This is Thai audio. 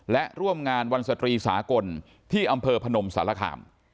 และร่วมงานวันสตรีสากลที่อำเภอพนมสารคาม